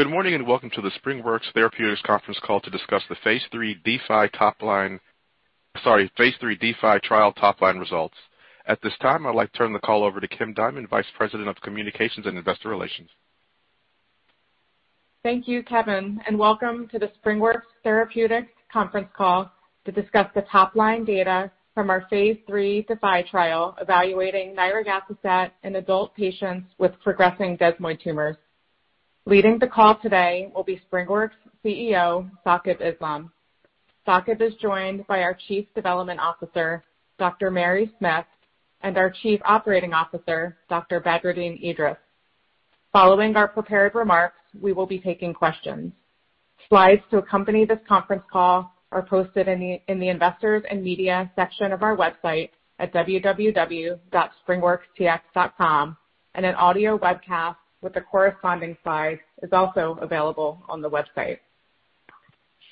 Good morning, and welcome to the SpringWorks Therapeutics conference call to discuss the Phase III DEFY trial top-line results. At this time, I'd like to turn the call over to Kim Diamond, Vice President of Communications and Investor Relations. Thank you, Kevin, and welcome to the SpringWorks Therapeutics conference call to discuss the top-line data from our Phase III DEFY trial evaluating nirogacestat in adult patients with progressing desmoid tumors. Leading the call today will be SpringWorks' CEO, Saqib Islam. Saqib is joined by our Chief Development Officer, Dr. L. Mary Smith, and our Chief Operating Officer, Dr. Badreddin Edris. Following our prepared remarks, we will be taking questions. Slides to accompany this conference call are posted in the investors and media section of our website at www.springworkstx.com, and an audio webcast with the corresponding slides is also available on the website.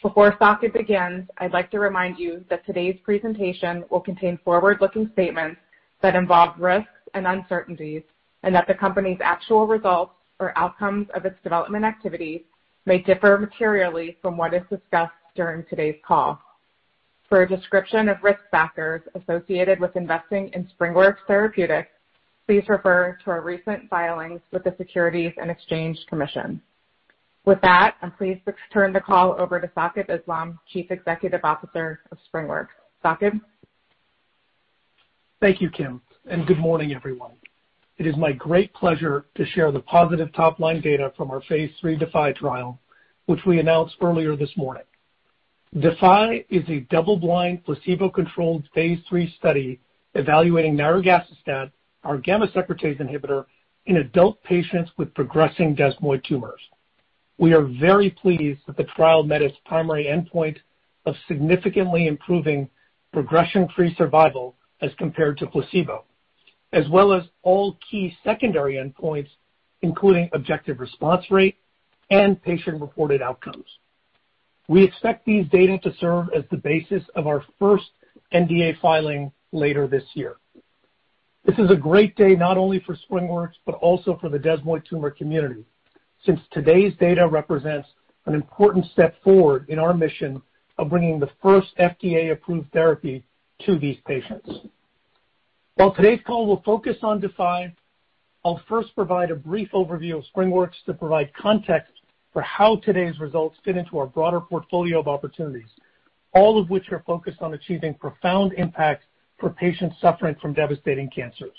Before Saqib begins, I'd like to remind you that today's presentation will contain forward-looking statements that involve risks and uncertainties, and that the company's actual results or outcomes of its development activities may differ materially from what is discussed during today's call. For a description of risk factors associated with investing in SpringWorks Therapeutics, please refer to our recent filings with the Securities and Exchange Commission. With that, I'm pleased to turn the call over to Saqib Islam, Chief Executive Officer of SpringWorks. Saqib. Thank you, Kim, and good morning, everyone. It is my great pleasure to share the positive top-line data from our Phase III DEFY trial, which we announced earlier this morning. DEFY is a double-blind, placebo-controlled Phase III study evaluating Nirogacestat, our gamma secretase inhibitor, in adult patients with progressing desmoid tumors. We are very pleased that the trial met its primary endpoint of significantly improving progression-free survival as compared to placebo, as well as all key secondary endpoints, including objective response rate and patient-reported outcomes. We expect these data to serve as the basis of our first NDA filing later this year. This is a great day not only for SpringWorks, but also for the desmoid tumor community, since today's data represents an important step forward in our mission of bringing the first FDA-approved therapy to these patients. While today's call will focus on DEFY, I'll first provide a brief overview of SpringWorks to provide context for how today's results fit into our broader portfolio of opportunities, all of which are focused on achieving profound impact for patients suffering from devastating cancers.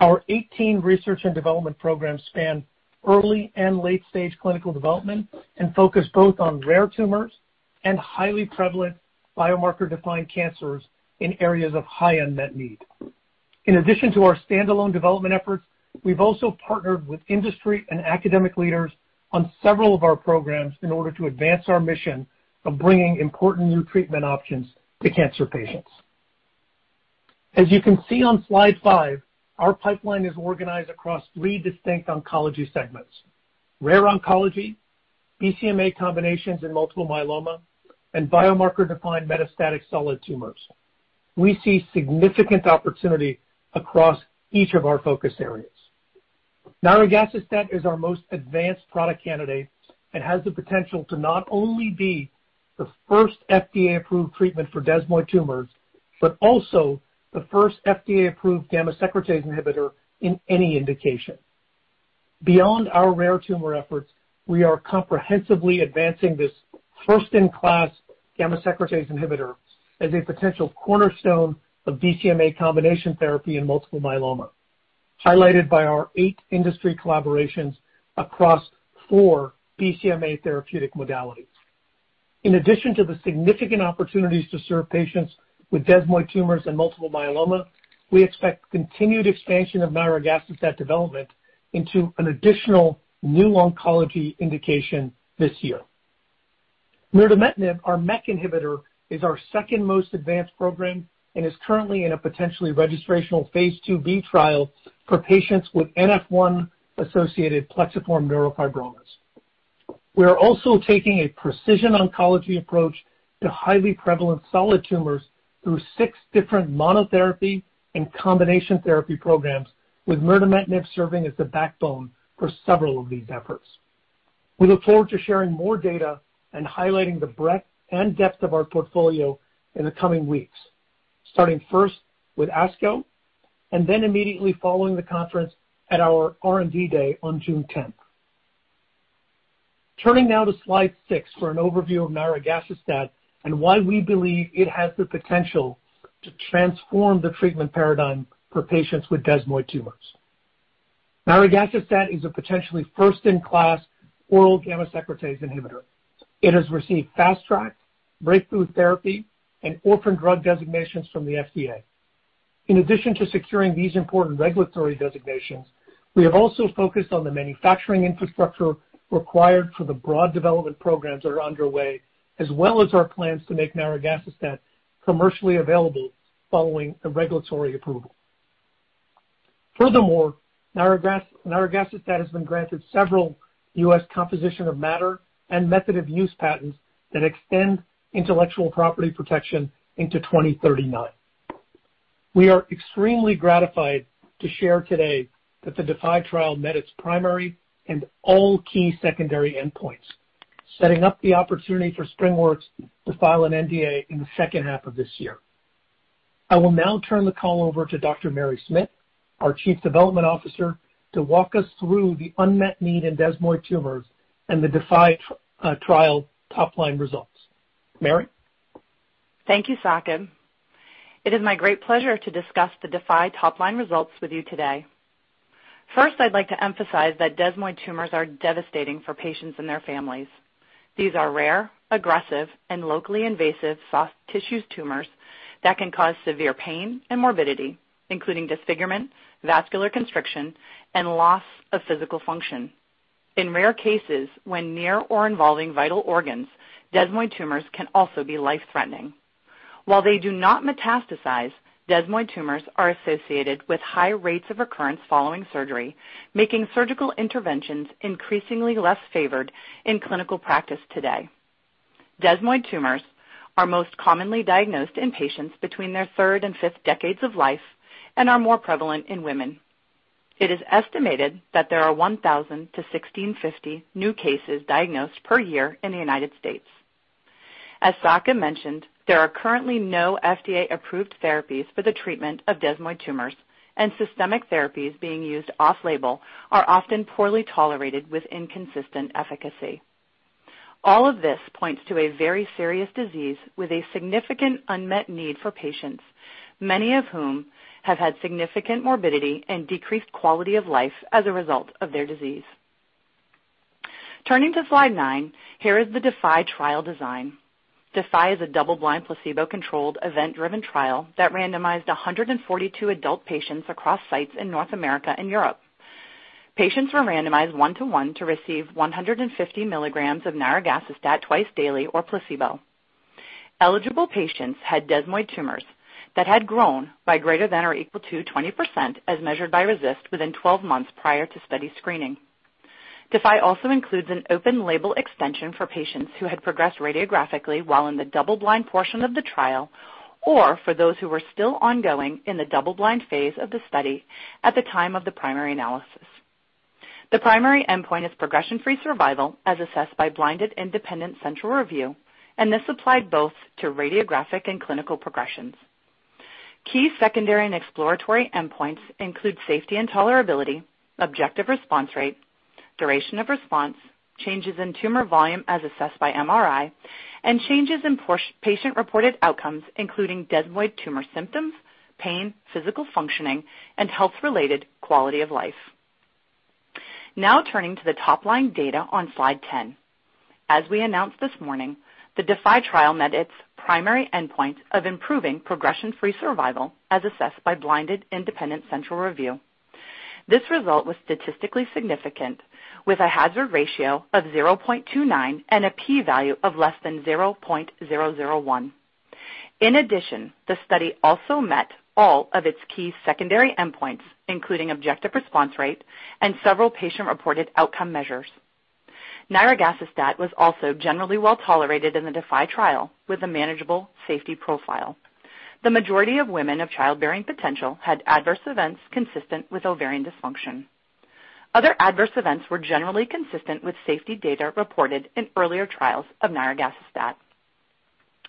Our 18 research and development programs span early and late-stage clinical development and focus both on rare tumors and highly prevalent biomarker-defined cancers in areas of high unmet need. In addition to our standalone development efforts, we've also partnered with industry and academic leaders on several of our programs in order to advance our mission of bringing important new treatment options to cancer patients. As you can see on slide 5, our pipeline is organized across three distinct oncology segments: rare oncology, BCMA combinations in multiple myeloma, and biomarker-defined metastatic solid tumors. We see significant opportunity across each of our focus areas. Nirogacestat is our most advanced product candidate and has the potential to not only be the first FDA-approved treatment for desmoid tumors, but also the first FDA-approved gamma secretase inhibitor in any indication. Beyond our rare tumor efforts, we are comprehensively advancing this first-in-class gamma secretase inhibitor as a potential cornerstone of BCMA combination therapy in multiple myeloma, highlighted by our eight industry collaborations across four BCMA therapeutic modalities. In addition to the significant opportunities to serve patients with desmoid tumors and multiple myeloma, we expect continued expansion of nirogacestat development into an additional new oncology indication this year. mirdametinib, our MEK inhibitor, is our second most advanced program and is currently in a potentially registrational Phase 2b trial for patients with NF1-associated plexiform neurofibromas. We are also taking a precision oncology approach to highly prevalent solid tumors through six different monotherapy and combination therapy programs, with mirdametinib serving as the backbone for several of these efforts. We look forward to sharing more data and highlighting the breadth and depth of our portfolio in the coming weeks, starting first with ASCO and then immediately following the conference at our R&D day on June 10. Turning now to slide 6 for an overview of Nirogacestat and why we believe it has the potential to transform the treatment paradigm for patients with desmoid tumors. Nirogacestat is a potentially first-in-class oral gamma secretase inhibitor. It has received Fast Track, Breakthrough Therapy, and Orphan Drug designations from the FDA. In addition to securing these important regulatory designations, we have also focused on the manufacturing infrastructure required for the broad development programs that are underway, as well as our plans to make Nirogacestat commercially available following a regulatory approval. Furthermore, Nirogacestat has been granted several U.S. composition of matter and method of use patents that extend intellectual property protection into 2039. We are extremely gratified to share today that the DEFY trial met its primary and all key secondary endpoints, setting up the opportunity for SpringWorks to file an NDA in the second half of this year. I will now turn the call over to Dr. Mary Smith, our chief development officer, to walk us through the unmet need in desmoid tumors and the DEFY trial top line results. Mary. Thank you, Saqib. It is my great pleasure to discuss the DEFY top line results with you today. First, I'd like to emphasize that desmoid tumors are devastating for patients and their families. These are rare, aggressive, and locally invasive soft tissue tumors that can cause severe pain and morbidity, including disfigurement, vascular constriction, and loss of physical function. In rare cases, when near or involving vital organs, desmoid tumors can also be life-threatening. While they do not metastasize, desmoid tumors are associated with high rates of recurrence following surgery, making surgical interventions increasingly less favored in clinical practice today. Desmoid tumors are most commonly diagnosed in patients between their third and fifth decades of life and are more prevalent in women. It is estimated that there are 1,000-1,650 new cases diagnosed per year in the United States. As Saqib mentioned, there are currently no FDA-approved therapies for the treatment of desmoid tumors, and systemic therapies being used off-label are often poorly tolerated with inconsistent efficacy. All of this points to a very serious disease with a significant unmet need for patients, many of whom have had significant morbidity and decreased quality of life as a result of their disease. Turning to slide 9, here is the DEFY trial design. DEFY is a double-blind, placebo-controlled, event-driven trial that randomized 142 adult patients across sites in North America and Europe. Patients were randomized 1:1 to receive 150 mg of Nirogacestat twice daily or placebo. Eligible patients had desmoid tumors that had grown by greater than or equal to 20% as measured by RECIST within 12 months prior to study screening. DEFY also includes an open label extension for patients who had progressed radiographically while in the double-blind portion of the trial, or for those who were still ongoing in the double-blind Phase of the study at the time of the primary analysis. The primary endpoint is progression-free survival as assessed by blinded independent central review, and this applied both to radiographic and clinical progressions. Key secondary and exploratory endpoints include safety and tolerability, objective response rate, duration of response, changes in tumor volume as assessed by MRI, and changes in patient-reported outcomes, including desmoid tumor symptoms, pain, physical functioning, and health-related quality of life. Now turning to the top line data on slide 10. As we announced this morning, the DEFY trial met its primary endpoint of improving progression-free survival, as assessed by blinded independent central review. This result was statistically significant with a hazard ratio of 0.29 and a P value of less than 0.001. In addition, the study also met all of its key secondary endpoints, including objective response rate and several patient-reported outcome measures. Nirogacestat was also generally well-tolerated in the DEFY trial with a manageable safety profile. The majority of women of childbearing potential had adverse events consistent with ovarian dysfunction. Other adverse events were generally consistent with safety data reported in earlier trials of Nirogacestat.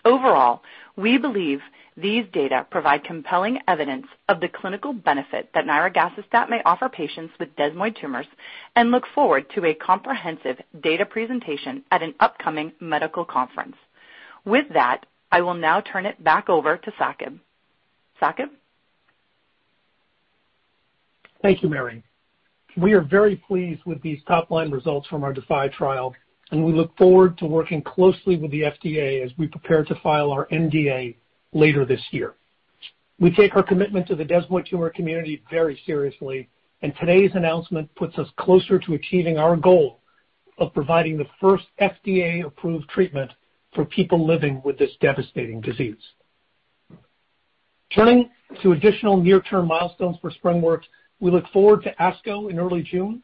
Overall, we believe these data provide compelling evidence of the clinical benefit that Nirogacestat may offer patients with desmoid tumors and look forward to a comprehensive data presentation at an upcoming medical conference. With that, I will now turn it back over to Saqib. Saqib. Thank you, Mary. We are very pleased with these top-line results from our DEFY trial, and we look forward to working closely with the FDA as we prepare to file our NDA later this year. We take our commitment to the desmoid tumor community very seriously, and today's announcement puts us closer to achieving our goal of providing the first FDA-approved treatment for people living with this devastating disease. Turning to additional near-term milestones for SpringWorks, we look forward to ASCO in early June,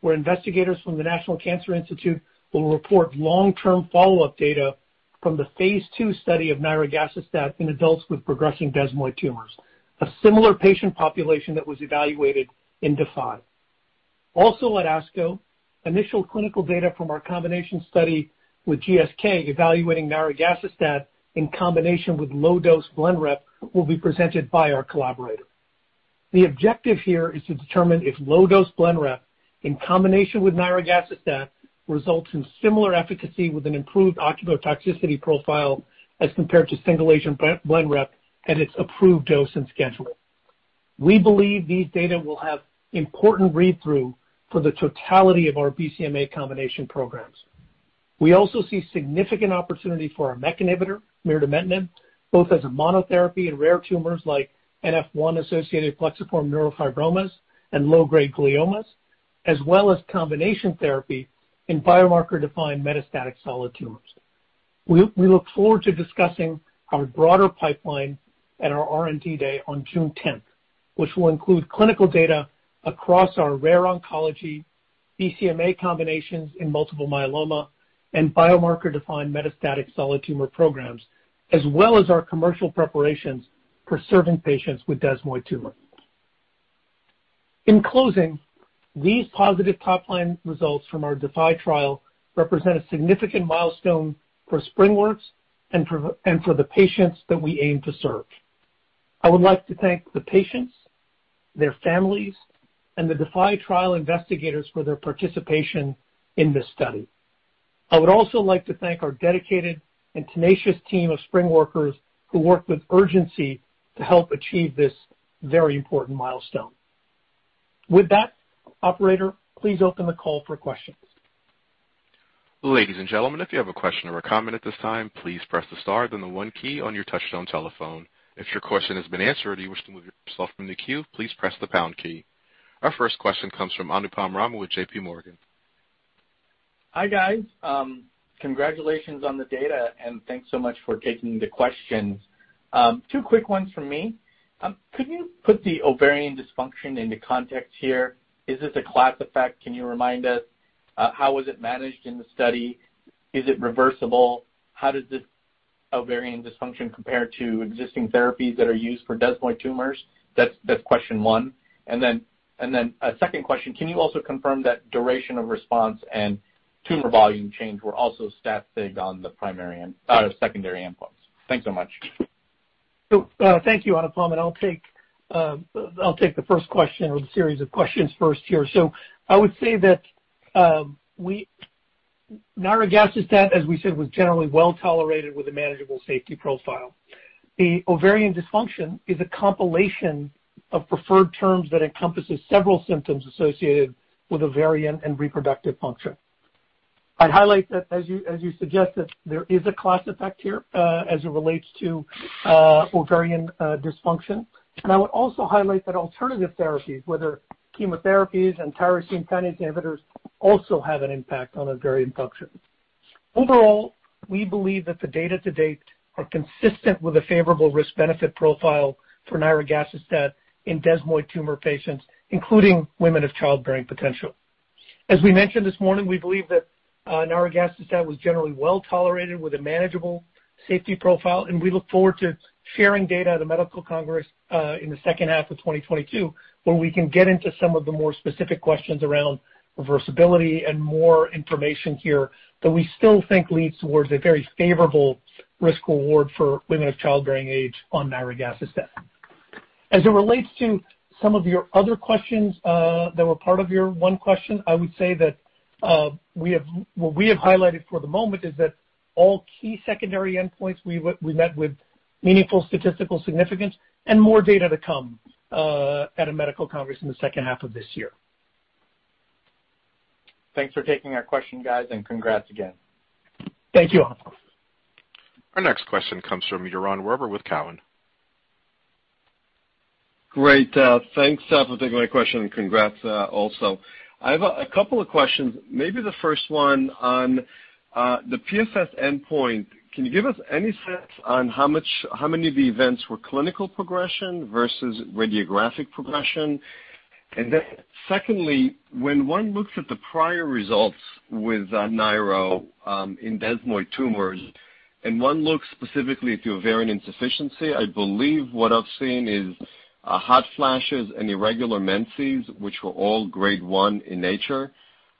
where investigators from the National Cancer Institute will report long-term follow-up data from the Phase II study of nirogacestat in adults with progressing desmoid tumors, a similar patient population that was evaluated in DEFY. Also at ASCO, initial clinical data from our combination study with GSK evaluating nirogacestat in combination with low-dose Blenrep will be presented by our collaborator. The objective here is to determine if low-dose Blenrep in combination with Nirogacestat results in similar efficacy with an improved ocular toxicity profile as compared to single-agent Blenrep at its approved dose and schedule. We believe these data will have important read-through for the totality of our BCMA combination programs. We also see significant opportunity for our MEK inhibitor, Mirdametinib, both as a monotherapy in rare tumors like NF1-associated plexiform neurofibromas and low-grade gliomas, as well as combination therapy in biomarker-defined metastatic solid tumors. We look forward to discussing our broader pipeline at our R&D Day on June 10, which will include clinical data across our rare oncology BCMA combinations in multiple myeloma and biomarker-defined metastatic solid tumor programs, as well as our commercial preparations for serving patients with desmoid tumors. In closing, these positive top line results from our DEFY trial represent a significant milestone for SpringWorks and for the patients that we aim to serve. I would like to thank the patients, their families, and the DEFY trial investigators for their participation in this study. I would also like to thank our dedicated and tenacious team of SpringWorkers who worked with urgency to help achieve this very important milestone. With that, operator, please open the call for questions. Ladies and gentlemen, if you have a question or a comment at this time, please press the star then the one key on your touchtone telephone. If your question has been answered or you wish to move yourself from the queue, please press the pound key. Our first question comes from Anupam Rama with J.P. Morgan. Hi, guys. Congratulations on the data, and thanks so much for taking the questions. Two quick ones from me. Could you put the ovarian dysfunction into context here? Is this a class effect? Can you remind us how was it managed in the study? Is it reversible? How does this ovarian dysfunction compare to existing therapies that are used for desmoid tumors? That's question one. A second question, can you also confirm that duration of response and tumor volume change were also stat sig on the primary endpoint and secondary endpoints? Thanks so much. Thank you, Anupam, and I'll take the first question or the series of questions first here. I would say that Nirogacestat, as we said, was generally well-tolerated with a manageable safety profile. The ovarian dysfunction is a compilation of preferred terms that encompasses several symptoms associated with ovarian and reproductive function. I'd highlight that as you suggest, that there is a class effect here, as it relates to ovarian dysfunction. I would also highlight that alternative therapies, whether chemotherapies and tyrosine kinase inhibitors, also have an impact on ovarian function. Overall, we believe that the data to date are consistent with a favorable risk-benefit profile for Nirogacestat in desmoid tumor patients, including women of childbearing potential. As we mentioned this morning, we believe that Nirogacestat was generally well-tolerated with a manageable safety profile, and we look forward to sharing data at a medical congress in the second half of 2022, where we can get into some of the more specific questions around reversibility and more information here that we still think leads towards a very favorable risk-reward for women of childbearing age on Nirogacestat. As it relates to some of your other questions that were part of your one question, I would say that what we have highlighted for the moment is that all key secondary endpoints we met with meaningful statistical significance and more data to come at a medical congress in the second half of this year. Thanks for taking our question, guys, and congratulation again. Thank you, Anupam. Our next question comes from Yaron Werber with Cowen. Great. Thanks for taking my question, and congrats also. I have a couple of questions. Maybe the first one on the PFS endpoint. Can you give us any sense on how many of the events were clinical progression versus radiographic progression? Secondly, when one looks at the prior results with Nirogacestat in desmoid tumors, and one looks specifically at the ovarian insufficiency, I believe what I've seen is hot flashes and irregular menses, which were all grade one in nature.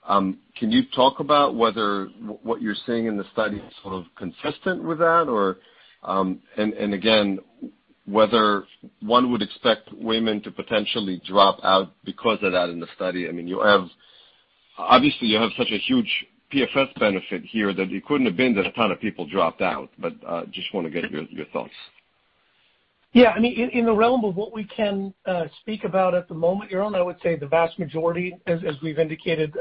Can you talk about whether what you're seeing in the study is sort of consistent with that or, and again, whether one would expect women to potentially drop out because of that in the study? I mean, obviously you have such a huge PFS benefit here that it couldn't have been that a ton of people dropped out. Just wanna get your thoughts. Yeah, I mean, in the realm of what we can speak about at the moment, Yaron, I would say the vast majority as we've indicated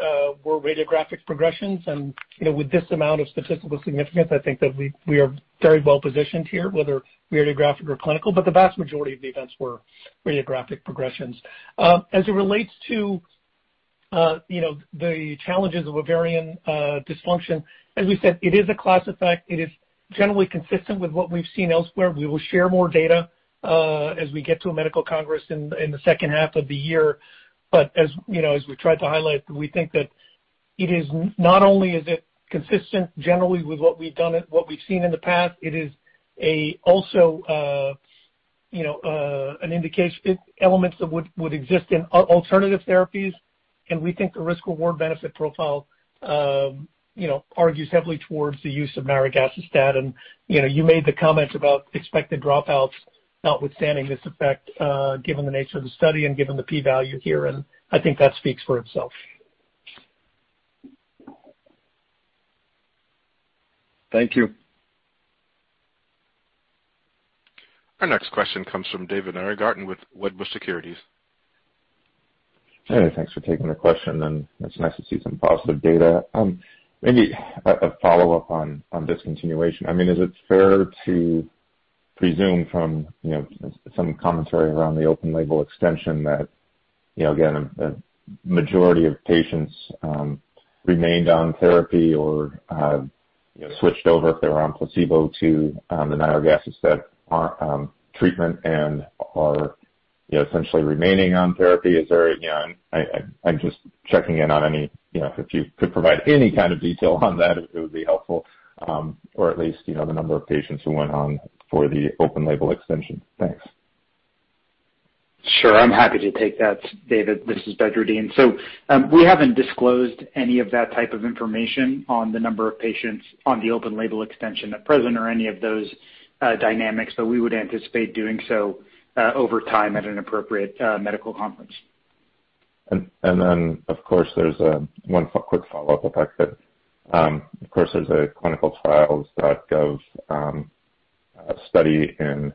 were radiographic progressions. You know, with this amount of statistical significance, I think that we are very well positioned here, whether radiographic or clinical. The vast majority of the events were radiographic progressions. As it relates to you know, the challenges of ovarian dysfunction, as we said, it is a class effect. It is generally consistent with what we've seen elsewhere. We will share more data as we get to a medical congress in the second half of the year. As you know, as we tried to highlight, we think that it is not only is it consistent generally with what we've done and what we've seen in the past, it is also an indication. Elements that would exist in alternative therapies, and we think the risk-reward benefit profile, you know, argues heavily towards the use of Nirogacestat. You know, you made the comment about expected dropouts notwithstanding this effect, given the nature of the study and given the P value here, and I think that speaks for itself. Thank you. Our next question comes from David Nierengarten with Wedbush Securities. Hey, thanks for taking the question, and it's nice to see some positive data. Maybe a follow-up on discontinuation. I mean, is it fair to presume from, you know, some commentary around the open label extension that, you know, again, a majority of patients remained on therapy or switched over if they were on placebo to the Nirogacestat treatment and are, you know, essentially remaining on therapy. Is there, you know? I'm just checking in on any, you know, if you could provide any kind of detail on that, it would be helpful, or at least, you know, the number of patients who went on for the open label extension. Thanks. Sure. I'm happy to take that, David. This is Badreddin. We haven't disclosed any of that type of information on the number of patients on the open label extension at present or any of those dynamics, but we would anticipate doing so over time at an appropriate medical conference. Of course, there's one quick follow-up with that. Of course, there's a ClinicalTrials.gov study in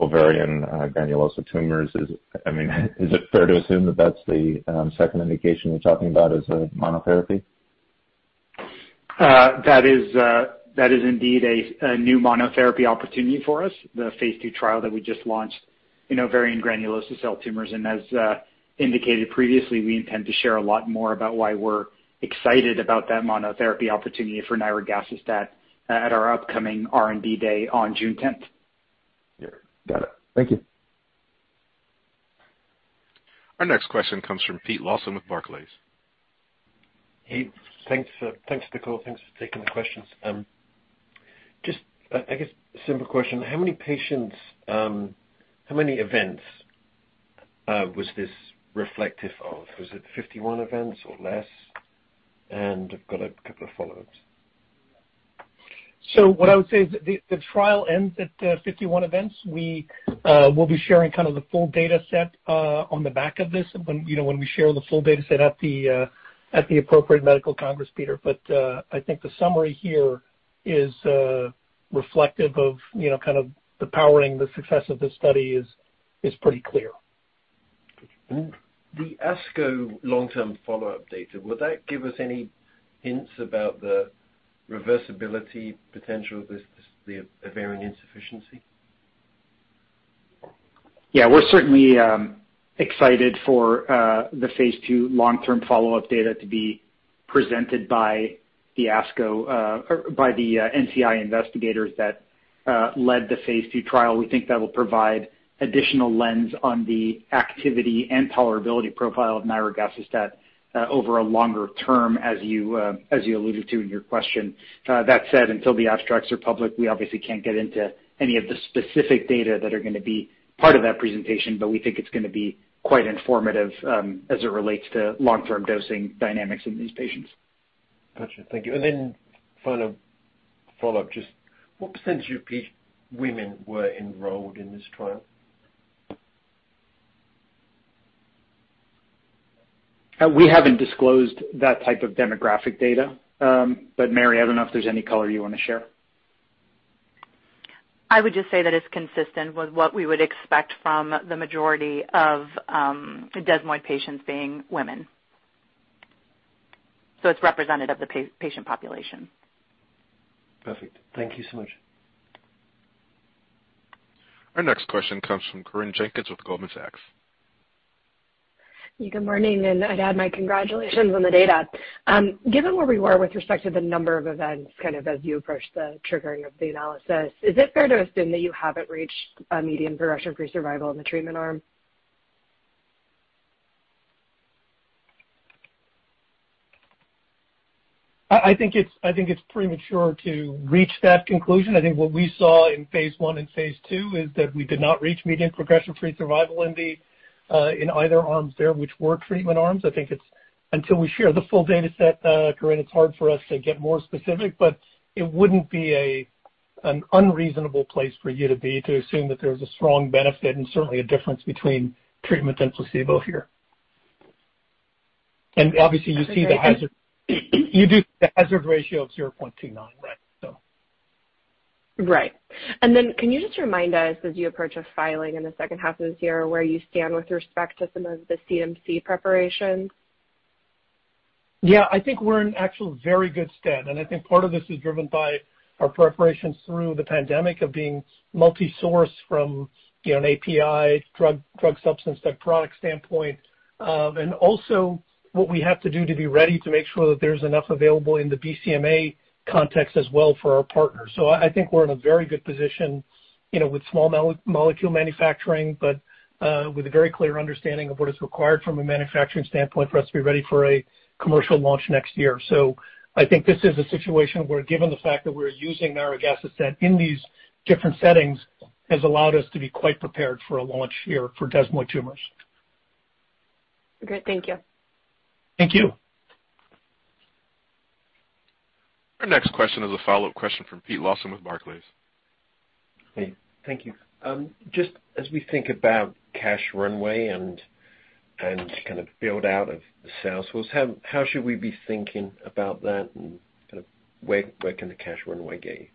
ovarian granulosa tumors. I mean, is it fair to assume that that's the second indication we're talking about as a monotherapy? That is indeed a new monotherapy opportunity for us, the Phase II trial that we just launched in ovarian granulosa cell tumors. As indicated previously, we intend to share a lot more about why we're excited about that monotherapy opportunity for Nirogacestat at our upcoming R&D day on June tenth. Yeah. Got it. Thank you. Our next question comes from Peter Lawson with Barclays. Hey, thanks, Nicole. Thanks for taking the questions. Just, I guess a simple question. How many patients, how many events, was this reflective of? Was it 51 events or less? I've got a couple of follow-ups. What I would say is the trial ends at 51 events. We will be sharing the full data set on the back of this when you know when we share the full data set at the appropriate medical congress, Peter. I think the summary here is reflective of you know kind of the powering, the success of this study is pretty clear. The ASCO long-term follow-up data, will that give us any hints about the reversibility potential of this, the ovarian insufficiency? Yeah, we're certainly excited for the Phase II long-term follow-up data to be presented by the ASCO or by the NCI investigators that led the Phase II trial. We think that will provide additional lens on the activity and tolerability profile of Nirogacestat over a longer term, as you alluded to in your question. That said, until the abstracts are public, we obviously can't get into any of the specific data that are gonna be part of that presentation, but we think it's gonna be quite informative as it relates to long-term dosing dynamics in these patients. Gotcha. Thank you. Final follow-up, just what percentage of these women were enrolled in this trial? We haven't disclosed that type of demographic data. Mary, I don't know if there's any color you wanna share. I would just say that it's consistent with what we would expect from the majority of desmoid patients being women. It's representative of the patient population. Perfect. Thank you so much. Our next question comes from Corinne Jenkins with Goldman Sachs. Good morning, I'd add my congratulations on the data. Given where we were with respect to the number of events, kind of as you approach the triggering of the analysis, is it fair to assume that you haven't reached a median progression-free survival in the treatment arm? I think it's premature to reach that conclusion. I think what we saw in Phase I and Phase II is that we did not reach median progression-free survival in either arms there, which were treatment arms. I think it's until we share the full data set, Corinne, it's hard for us to get more specific, but it wouldn't be an unreasonable place for you to be to assume that there's a strong benefit and certainly a difference between treatment and placebo here. Obviously, you see the hazard. I think I can- You do the hazard ratio of 0.29, right? Right. Can you just remind us as you approach a filing in the second half of this year where you stand with respect to some of the CMC preparations? Yeah. I think we're in actually very good stead, and I think part of this is driven by our preparations through the pandemic of being multi-source from, you know, an API, drug substance, that product standpoint. And also what we have to do to be ready to make sure that there's enough available in the BCMA context as well for our partners. I think we're in a very good position, you know, with small molecule manufacturing, but with a very clear understanding of what is required from a manufacturing standpoint for us to be ready for a commercial launch next year. I think this is a situation where given the fact that we're using Nirogacestat in these different settings has allowed us to be quite prepared for a launch here for desmoid tumors. Great. Thank you. Thank you. Our next question is a follow-up question from Peter Lawson with Barclays. Hey, thank you. Just as we think about cash runway and kind of build out of the sales, how should we be thinking about that and kind of where can the cash runway get you?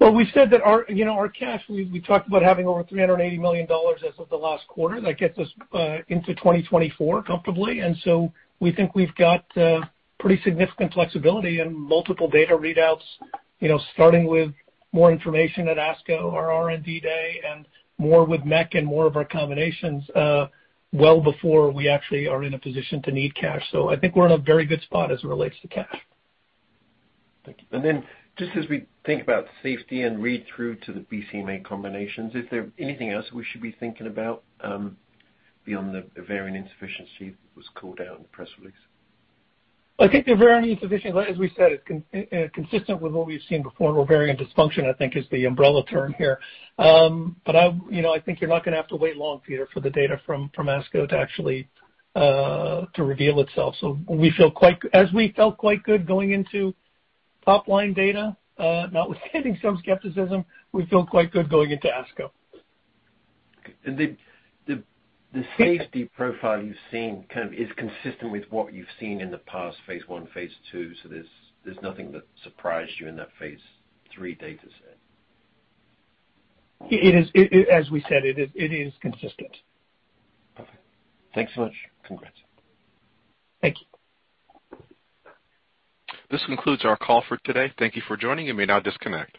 Well, we said that our, you know, our cash, we talked about having over $380 million as of the last quarter. That gets us into 2024 comfortably. We think we've got pretty significant flexibility and multiple data readouts, you know, starting with more information at ASCO, our R&D day, and more with MEK and more of our combinations, well before we actually are in a position to need cash. I think we're in a very good spot as it relates to cash. Thank you. Just as we think about safety and read through to the BCMA combinations, is there anything else we should be thinking about, beyond the ovarian insufficiency that was called out in the press release? I think the ovarian insufficiency, as we said, it's consistent with what we've seen before, and ovarian dysfunction, I think, is the umbrella term here. I, you know, I think you're not gonna have to wait long, Peter, for the data from ASCO to actually reveal itself. We feel quite good, as we felt quite good going into top-line data, notwithstanding some skepticism, we feel quite good going into ASCO. The safety profile you've seen kind of is consistent with what you've seen in the past Phase I, Phase II, so there's nothing that surprised you in that phase III data set? It is, as we said, it is consistent. Perfect. Thanks so much. congratulation. Thank you. This concludes our call for today. Thank you for joining. You may now disconnect.